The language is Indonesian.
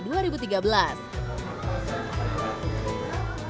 peminatnya lebih banyak kalangan muda dan keluarga